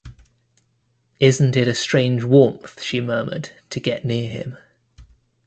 “Isn’t it a strange warmth!” she murmured, to get near him.